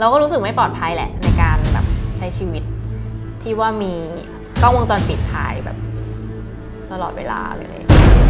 ก็รู้สึกไม่ปลอดภัยแหละในการแบบใช้ชีวิตที่ว่ามีกล้องวงจรปิดถ่ายแบบตลอดเวลาเลย